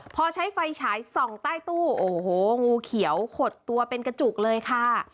พอใช้ไฟฉายส่องใต้ตู้โอ้โหงูเขียวขดตัวเป็นกระจุกเลยค่ะ